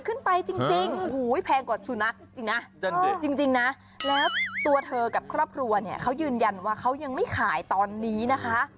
จริงโอ้โหแพงกว่าสุนัขอีกนะจริงนะแล้วตัวเธอกับครอบครัวเนี่ยเขายืนยันว่าเขายังไม่ขายตอนนี้นะคะ